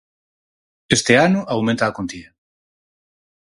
Este ano, aumenta a contía.